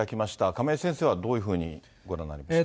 亀井先生はどういうふうにご覧になりましたか。